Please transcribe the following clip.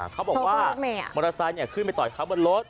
เขาบอกว่ามอเตอร์ไซค์ขึ้นไปต่อยเขาบนรถ